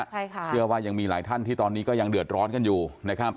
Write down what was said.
ใช่ค่ะเชื่อว่ายังมีหลายท่านที่ตอนนี้ก็ยังเดือดร้อนกันอยู่นะครับ